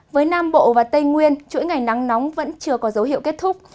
với nam bộ và tây nguyên chuỗi ngày nắng nóng vẫn chưa có dấu hiệu kết thúc